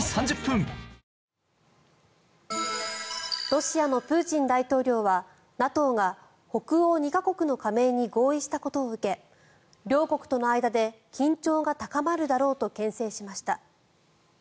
ロシアのプーチン大統領はＮＡＴＯが北欧２か国の加盟に合意したことを受け両国との間で緊張が高まるだろうとけん制しました。